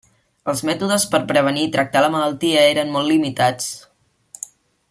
Els mètodes per prevenir i tractar la malaltia eren molt limitats.